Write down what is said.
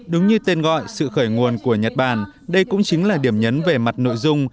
đúng như tên gọi sự khởi nguồn của nhật bản đây cũng chính là điểm nhấn về mặt nội dung